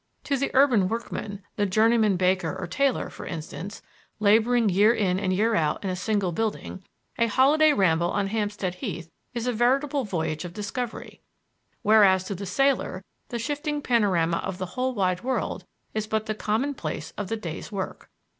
To the urban workman the journeyman baker or tailor, for instance, laboring year in year out in a single building a holiday ramble on Hampstead Heath is a veritable voyage of discovery; whereas to the sailor the shifting panorama of the whole wide world is but the commonplace of the day's work.